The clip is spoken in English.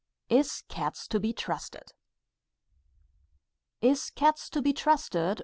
_] "IS CATS TO BE TRUSTED?" "Is cats to be trusted?"